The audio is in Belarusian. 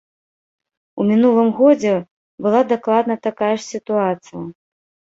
У мінулым годзе была дакладна такая ж сітуацыя.